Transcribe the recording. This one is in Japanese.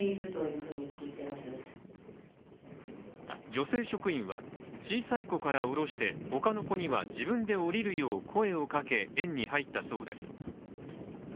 女性職員は小さい子から降ろして他の子には、自分で降りるよう声をかけ園に入ったそうです。